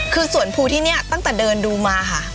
คือสวนภูที่นี่ตั้งแต่เดินดูมาค่ะ